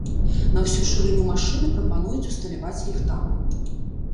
На ўсю шырыню машыны прапануюць усталяваць ліхтар.